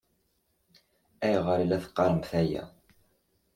Ayɣer i la teqqaṛemt aya?